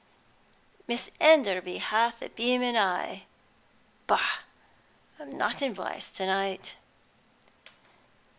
'Miss Enderby hath a beaming eye' Bah! I'm not in voice to night."